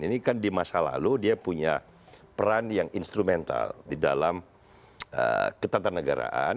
ini kan di masa lalu dia punya peran yang instrumental di dalam ketatanegaraan